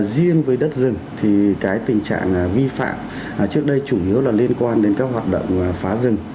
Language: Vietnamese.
riêng với đất rừng thì cái tình trạng vi phạm trước đây chủ yếu là liên quan đến các hoạt động phá rừng